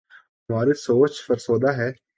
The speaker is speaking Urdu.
ہماری سوچ فرسودہ ہے۔